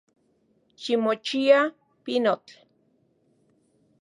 Ximochia, pinotl.